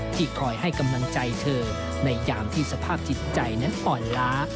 ที่คอยให้กำลังใจเธอในยามที่สภาพจิตใจนั้นอ่อนล้า